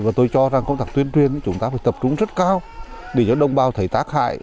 và tôi cho rằng công tác tuyên truyền chúng ta phải tập trung rất cao để cho đồng bào thấy tác hại